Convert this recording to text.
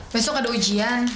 besok ada ujian